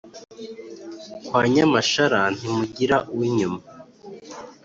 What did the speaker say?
Kwa Nyamashara ntimugira uw'inyuma